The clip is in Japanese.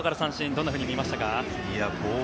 どんなふうに見えましたか？